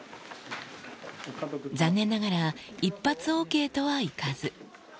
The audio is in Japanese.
残念ながら、一発ＯＫとはいかず。